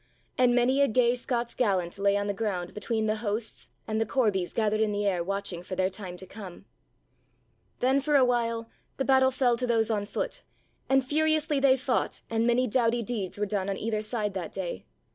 And many a gay Scots gallant lay on the ground between the hosts and the corbies gathered in the air watching for their time to come. Then for a while the battle fell to those on foot and furiously they fought and many doughty deeds were done on either side that day.